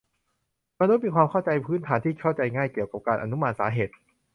มนุษย์มีความเข้าใจพื้นฐานที่เข้าใจง่ายเกี่ยวกับการอนุมานสาเหตุ